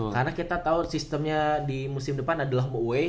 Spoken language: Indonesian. karena kita tau sistemnya di musim depan adalah away